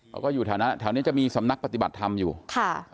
เขาก็อยู่แถวนั้นแถวนี้จะมีสำนักปฏิบัติธรรมอยู่ค่ะ